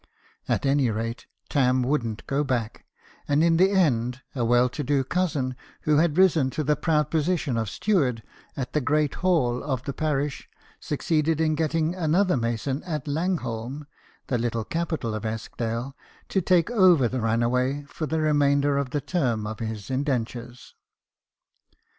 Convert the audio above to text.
At any rate, Tarn wouldn't go back ; and in the end, a well to do cousin, who had risen to the proud position of steward at the great hall of the parish, succeeded in getting another mason at Langholm, the little capital of Eskdale, to take over the runaway for the remainder of the term of his indentures.